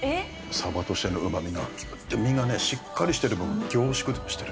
サバとしてのうまみが、ぎゅってね、身がしっかりしてる分、凝縮してる。